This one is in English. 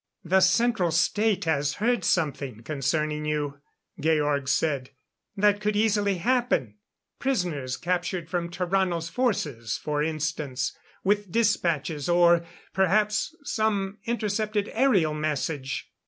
"The Central State has heard something concerning you," Georg said. "That could easily happen prisoners captured from Tarrano's forces, for instance. With dispatches or perhaps some intercepted aerial message."